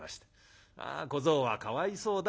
「小僧はかわいそうだ。